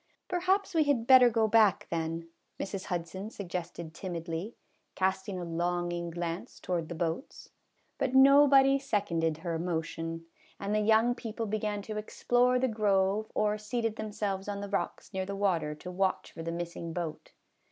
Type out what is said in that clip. "Perhaps we had better go back, then," Mrs. Hudson suggested timidly, casting a longing glance MRS. HUDSON'S PICNIC. 153 toward the boats, but nobody seconded her motion, and the young people began to explore the grove or Seated themselves on the rocks near the water to watch for the missing boat.